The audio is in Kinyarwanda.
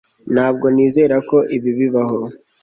ntabwo nizera ko ibi bibaho